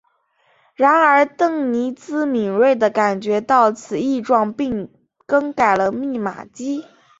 然而邓尼兹敏锐地感觉到此异状并更改了密码机。